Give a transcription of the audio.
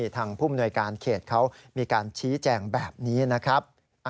ทางผู้มนวยการเขตเขามีการชี้แจงแบบนี้นะครับ